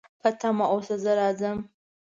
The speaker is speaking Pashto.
په تمه اوسه، زه راځم